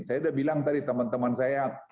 saya udah bilang tadi teman teman saya